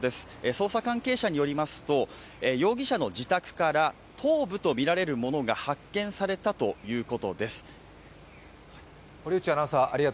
捜査関係者によりますと容疑者の自宅から頭部とみられるものが発見されたということです。